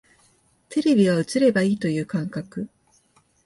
テレビは映ればいいという感覚